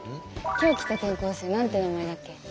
今日来た転校生なんて名前だっけ？